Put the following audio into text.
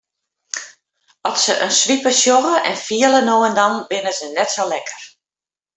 At se in swipe sjogge en fiele no dan binne se net sa lekker.